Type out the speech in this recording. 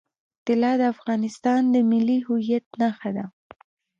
طلا د افغانستان د ملي هویت نښه ده.